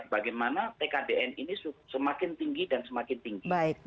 bagaimana tkdn ini semakin tinggi dan semakin tinggi